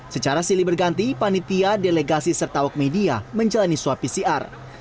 secara silih berganti panitia delegasi serta awak media menjalani swab pcr